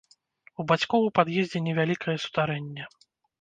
У бацькоў у пад'ездзе невялікае сутарэнне.